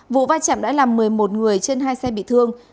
vụ vai trạm đã làm một mươi một người trên hai xe bị thương